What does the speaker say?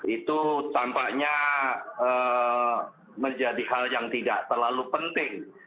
itu tampaknya menjadi hal yang tidak terlalu penting